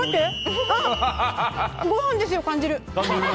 ごはんですよ！を感じる。